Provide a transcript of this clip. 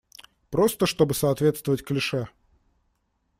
Просто, чтобы соответствовать клише.